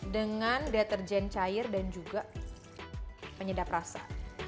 dengan deterjen cair dan juga penyedap rasa